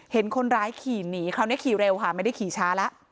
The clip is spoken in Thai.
เห็นคนร้ายขี่หนีคราวนี้ขี่เร็วค่ะไม่ได้ขี่ช้าแล้ว